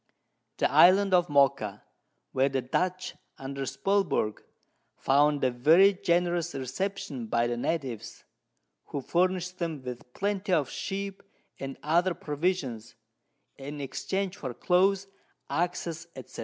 The Island of Mocha, where the Dutch, under Spilberg, found a very generous Reception by the Natives, who furnish'd them with Plenty of Sheep, and other Provisions, in exchange for Clothes, Axes, &c.